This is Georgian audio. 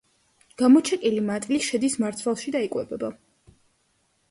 გამოჩეკილი მატლი შედის მარცვალში და იკვებება.